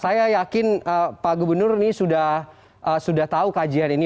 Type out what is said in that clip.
saya yakin pak gubernur ini sudah tahu kajian ini